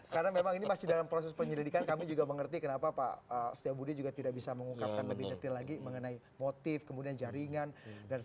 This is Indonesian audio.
karena memang ini masih dalam proses penyelidikan kami juga mengerti kenapa pak astiobudi juga tidak bisa mengungkapkan lebih detail lagi mengenai motif kemudian jaringan dan segala macam